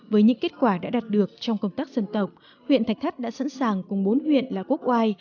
với những kết quả đã đạt được trong công tác dân tộc huyện thạch thất đã sẵn sàng cùng bốn huyện là quốc oai